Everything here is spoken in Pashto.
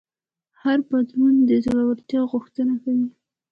هر بدلون د زړهورتیا غوښتنه کوي.